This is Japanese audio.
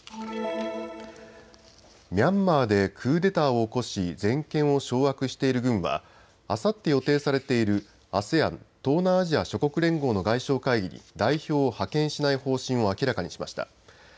ミャンマーでクーデターを起こし全権を掌握している軍はあさって予定されているＡＳＥＡＮ・東南アジア諸国連合の外相会議に代表を派遣しない方針を明らかにしました。